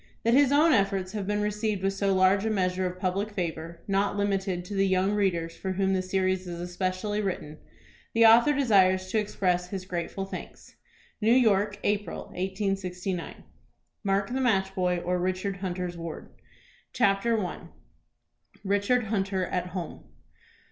That his own efforts have been received with so large a measure of public favor, not limited to the young readers for whom the series is especially written, the author desires to express his grateful thanks. NEW YORK, April, 1869. MARK, THE MATCH BOY; OR, RICHARD HUNTER'S WARD. CHAPTER I. RICHARD HUNTER AT HOME.